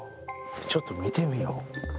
ちょっと見てみよう。